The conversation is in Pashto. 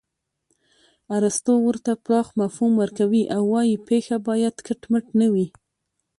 ارستو ورته پراخ مفهوم ورکوي او وايي پېښه باید کټ مټ نه وي